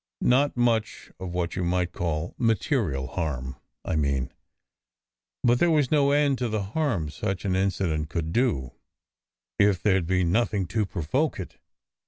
Not much of what you might call material harm I mean. But there was no end to the harm such an incident could do, if there d been nothing to provoke it.